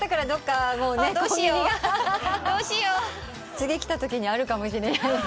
次来たときにあるかもしれない。